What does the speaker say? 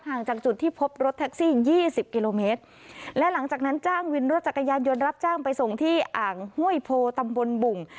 จากจุดที่พบรถแท็กซี่ยี่สิบกิโลเมตรและหลังจากนั้นจ้างวินรถจักรยานยนต์รับจ้างไปส่งที่อ่างห้วยโพตำบลบุ่ง